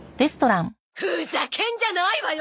ふざけんじゃないわよ！